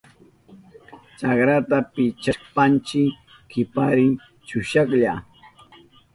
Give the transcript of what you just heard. Chakrata pichashpanchi kiparin chushahlla.